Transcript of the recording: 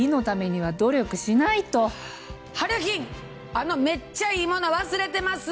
あのめっちゃいいもの忘れてます。